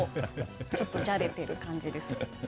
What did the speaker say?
ちょっとじゃれてる感じです。